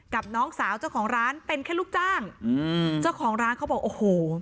น้องสาวเจ้าของร้านเป็นแค่ลูกจ้างอืมเจ้าของร้านเขาบอกโอ้โห